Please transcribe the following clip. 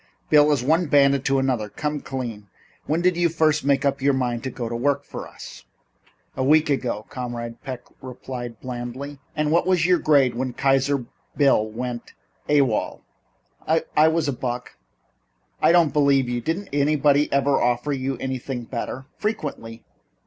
"Bill, as one bandit to another come clean. When did you first make up your mind to go to work for us?" "A week ago," Comrade Peck replied blandly. "And what was your grade when Kaiser Bill went A.W.O.L.?" "I was a buck." "I don't believe you. Didn't anybody ever offer you something better?" "Frequently.